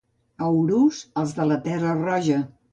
A Urús, els de la terra roja.